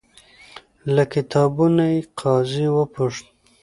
له کتابونو یې. قاضي وپوښت،